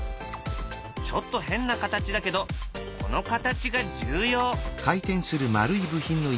ちょっと変な形だけどこの形が重要。